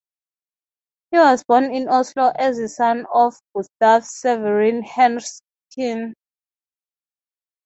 He was born in Oslo as a son of Gustav Severin Henriksen.